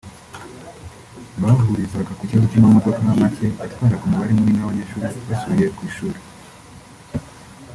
bahurizaga ku kibazo cy’amamodoka make yatwaraga umubare munini w’abanyeshuri basubiye ku ishuri